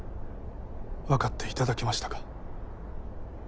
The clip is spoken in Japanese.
わかっていただけましたか？